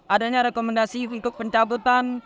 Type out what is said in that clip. adanya rekomendasi untuk pencabutan